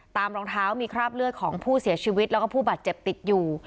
รองเท้ามีคราบเลือดของผู้เสียชีวิตแล้วก็ผู้บาดเจ็บติดอยู่